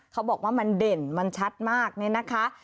เขาบอกว่ามันเด่นมันชัดมากเนี่ยนะคะ